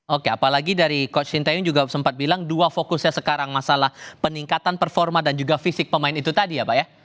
oke apalagi dari coach shin taeyong juga sempat bilang dua fokusnya sekarang masalah peningkatan performa dan juga fisik pemain itu tadi ya pak ya